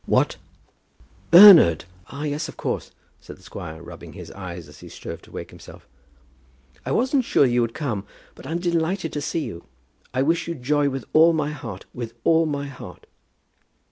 "What; Bernard! ah, yes, of course," said the squire, rubbing his eyes as he strove to wake himself. "I wasn't sure you would come, but I'm delighted to see you. I wish you joy with all my heart, with all my heart."